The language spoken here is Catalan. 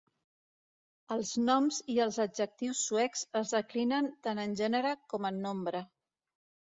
Els noms i els adjectius suecs es declinen tant en gènere com en nombre.